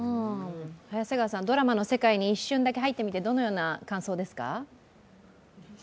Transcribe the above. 早瀬川さん、ドラマの世界に一瞬だけ入ってみて、どのような感想ですか？